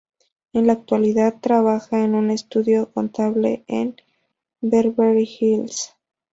En la actualidad trabaja en un estudio contable en Beverly Hills.